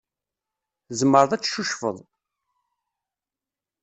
Tzemreḍ ad tcucfeḍ.